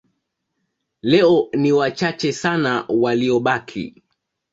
Leo ni wachache sana waliobaki.